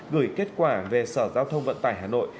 gửi kết quả về sở giao thông vận tải hà nội